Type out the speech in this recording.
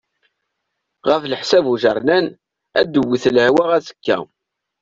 Ɣef leḥsab ujernan, ad tewt lehwa azekka.